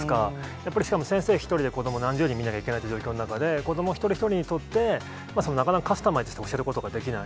やっぱりしかも先生１人で子ども何十人見なきゃいけないという状況の中で、子ども一人一人にとって、なかなかカスタマイズとかすることができない。